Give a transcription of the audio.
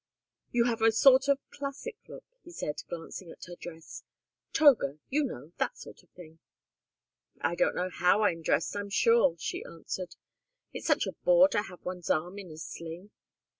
"You have a sort of classic look," he said, glancing at her dress. "Toga you know that sort of thing." "I don't know how I'm dressed, I'm sure," she answered. "It's such a bore to have one's arm in a sling."